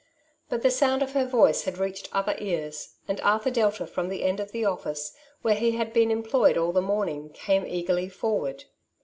But the sound of her voice had reached other ears, and Arthur Delta, from the end of the office where he had been employed all the morning, came eagerly forward.